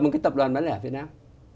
một cái tập đoàn bán lẻ ở việt nam